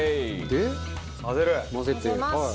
で混ぜて。